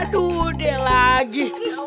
aduh dia lagi